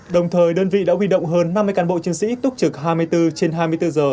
đồng thời đơn vị đã huy động hơn năm mươi cán bộ chiến sĩ túc trực hai mươi bốn trên hai mươi bốn giờ